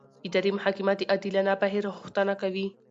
اداري محاکمه د عادلانه بهیر غوښتنه کوي.